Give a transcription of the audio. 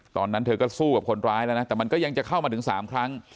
ตอนนั้นเธอก็สู้กับคนร้ายแล้วนะแต่มันก็ยังจะเข้ามาถึง๓ครั้ง